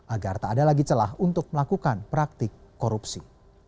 agar tak ada lagi celah untuk melakukan praktik korupsi